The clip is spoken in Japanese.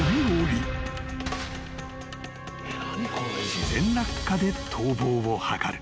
［自然落下で逃亡を図る］